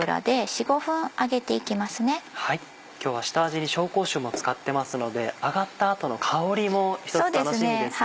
今日は下味に紹興酒も使ってますので揚がった後の香りも一つ楽しみですね。